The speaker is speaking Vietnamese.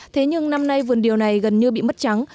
thế nhưng năm nay vườn điều này gần như bị mất trắng